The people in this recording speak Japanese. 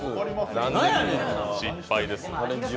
失敗です。